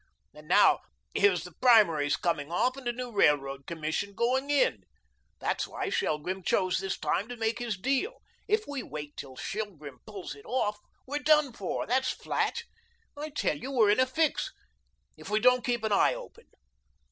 And now here's the primaries coming off and a new Railroad Commission going in. That's why Shelgrim chose this time to make his deal. If we wait till Shelgrim pulls it off, we're done for, that's flat. I tell you we're in a fix if we don't keep an eye open.